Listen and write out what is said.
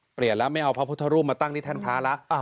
เปลี่ยนแล้วไม่เอาพระพุทธรูปมาตั้งที่แท่นพระแล้ว